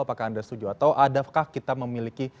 apakah anda setuju atau adakah kita memiliki